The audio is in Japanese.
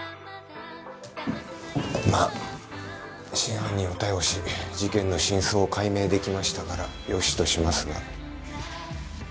まあ真犯人を逮捕し事件の真相を解明できましたからよしとしますが。